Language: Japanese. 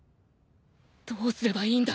どうすればいいんだ